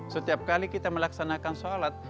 setiap kali kita melaksanakan sholat